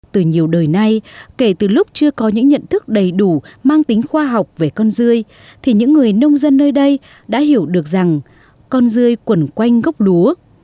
từ nhiều đời nay kể từ lúc chưa có những nhận thức đầy đủ mang tính khoa học về con dươi thì những người nông dân nơi đây đã hiểu được rằng con dươi quẩn quanh gốc lúa